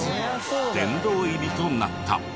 殿堂入りとなった。